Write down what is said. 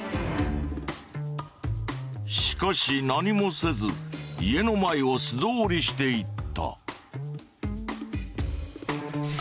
しかし何もせず家の前を素通りしていった。